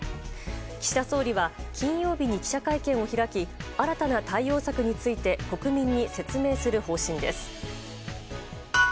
岸田総理は金曜日に記者会見を開き新たな対応策について国民に説明する方針です。